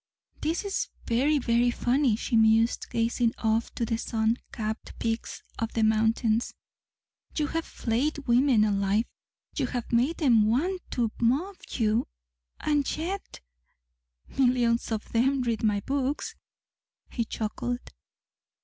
"This is very, very funny," she mused, gazing off to the sun capped peaks of the mountains. "You have flayed women alive. You have made them want to mob you. And yet " "Millions of them read my books," he chuckled.